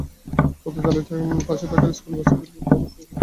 পতিতালয় পাশে থাকায় স্কুলের বাচ্চাদের উপরে খারাপ প্রভাব পড়ে?